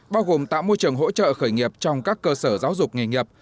bao gồm tạo môi trường hỗ trợ khởi nghiệp trong các cơ sở giáo dục nghề nghiệp